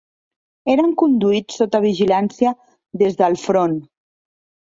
Eren conduïts sota vigilància des del front.